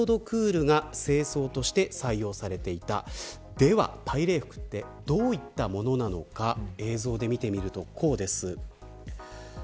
では大礼服とはどういったものなのか映像で見てみると、こうです。